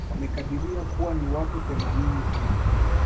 Wamekadiriwa kuwa ni watu themanini hivi